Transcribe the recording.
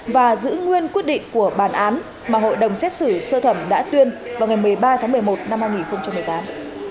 và giữ nguyên quyết định của bản án mà hội đồng xét xử sơ thẩm đã tuyên vào ngày một mươi ba tháng một mươi một năm hai nghìn một mươi tám